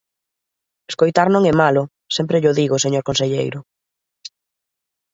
Escoitar non é malo, sempre llo digo, señor conselleiro.